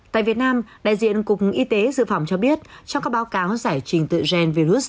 tại việt nam đại diện cục y tế dự phòng cho biết trong các báo cáo giải trình tự gen virus